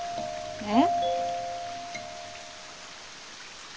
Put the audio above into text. えっ。